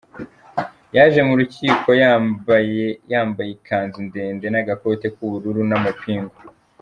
Yaje mu rukiko yambaye yambaye ikanzu ndende n'agakote k'ubururu n' amapingu.